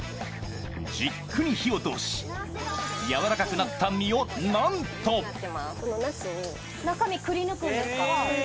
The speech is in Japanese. じっくり火を通し、柔らかくなった身をなんと。中身くりぬくんですか。